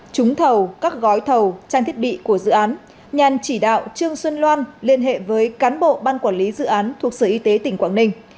trúng thầu các gói thầu trang thiết bị của dự án nhàn chỉ đạo trương xuân loan liên hệ với cán bộ ban quản lý dự án thuộc sở y tế tỉnh quảng ninh